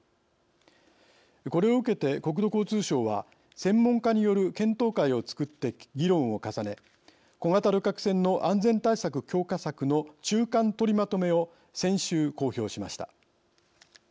これを受けて国土交通省は専門家による検討会をつくって議論を重ね小型旅客船の安全対策強化策の中間とりまとめを先週、公表しました。